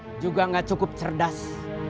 otak saya juga nggak cukup cerdas